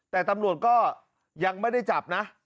แต่ตำรวจก็ยังไม่ได้จับนะ